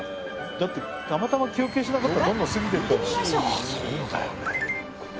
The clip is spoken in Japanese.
だってたまたま休憩しなかったらどんどん過ぎていった。